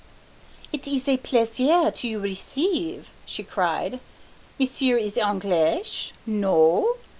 "It ees a plaisir to you receive!" she cried. "Monsieur is Anglish? No?